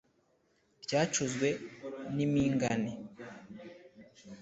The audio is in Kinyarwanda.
ryacuzwe n’impingane.